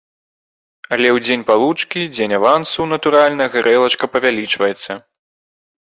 Але ў дзень палучкі, дзень авансу, натуральна, гарэлачка павялічваецца.